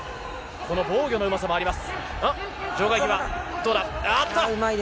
防御のうまさもあります。